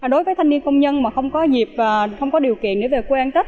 đối với thanh niên công nhân mà không có dịp không có điều kiện để về quê ăn tết